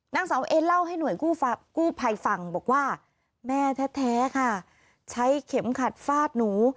นางสาวเอ็นเล่าให้หน่วยกู้ภัยฟังบอกว่าแม่แท้ค่ะใช้เข็มขัดฟาดหนู